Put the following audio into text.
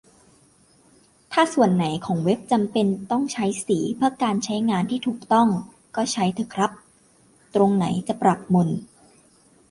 ถ้าส่วนไหนของเว็บจำเป็นต้องใช้สีเพื่อการใช้งานที่ถูกต้อง ก็ใช้เถอะครับ ตรงไหนจะปรับหม่น